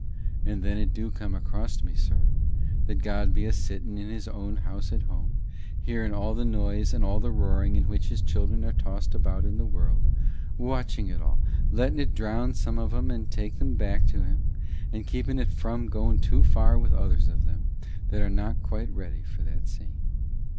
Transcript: And then it do come across me, sir, that God be a sitting in his own house at home, hearing all the noise and all the roaring in which his children are tossed about in the world, watching it all, letting it drown some o' them and take them back to him, and keeping it from going too far with others of them that are not quite ready for that same.